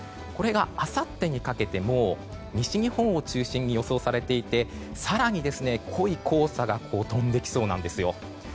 これがあさってにかけても西日本を中心に予想されていて、更に濃い黄砂が飛んできそうなんですよ。